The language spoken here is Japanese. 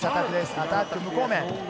アタック、無効面。